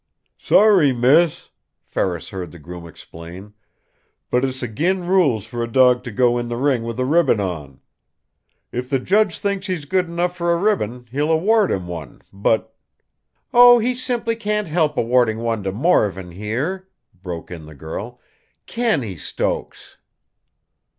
"Sorry, Miss," Ferris heard the groom explain, "but it's agin rules for a dog to go in the ring with a ribbon on. If the judge thinks he's good enough for a ribbon he'll award him one. But " "Oh, he simply can't help awarding one to Morven, here!" broke in the girl. "CAN he, Stokes?"